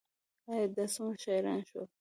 ای، دا څومره شاعران شول